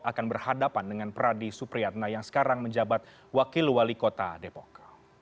akan berhadapan dengan pradi supriyatna yang sekarang menjabat wakil wali kota depok